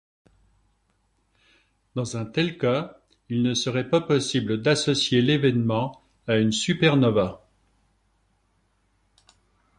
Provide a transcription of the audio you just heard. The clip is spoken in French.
Dans un tel cas, il ne serait pas possible d'associer l'événement à une supernova.